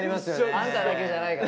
アンタだけじゃないから。